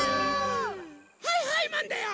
はいはいマンだよ！